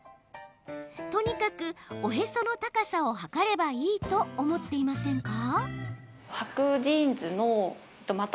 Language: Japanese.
とにかく、おへその高さを測ればいいと思っていませんか？